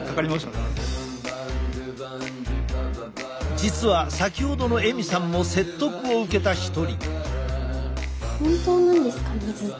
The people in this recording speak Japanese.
実は先ほどのエミさんも説得を受けた一人。